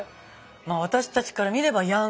まあ私たちから見ればヤングなね